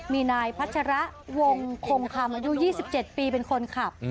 มีนายพัชระวงคงคำอายุ๒๗ปีเป็นคนขับ